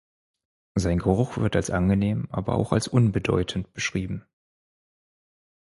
Sein Geruch wird als angenehm, aber auch als unbedeutend beschrieben.